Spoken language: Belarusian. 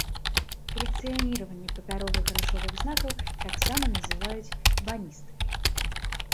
Калекцыяніраванне папяровых грашовых знакаў таксама называюць баністыкай.